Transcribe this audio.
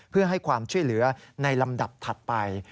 เพื่อให้ความช่วยเหลือในลำดับถัดไป